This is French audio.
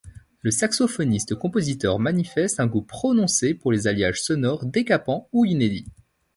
Le saxophoniste-compositeur manifeste un goût prononcé pour les alliages sonores décapants ou inédits.